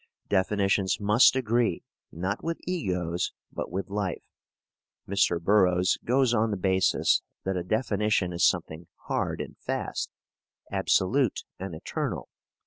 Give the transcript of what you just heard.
Definitions must agree, not with egos, but with life. Mr. Burroughs goes on the basis that a definition is something hard and fast, absolute and eternal.